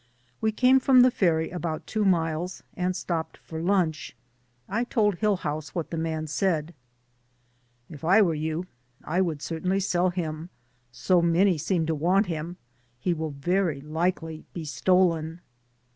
We came from the ferry about two miles, and stopped for lunch. I told Hillhouse what the man said. "If I were 3^ou, I would certainly sell him, so many seem to want him. He will very likely be stolen."